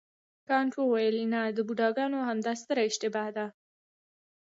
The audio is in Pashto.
کانت وویل نه د بوډاګانو همدا ستره اشتباه ده.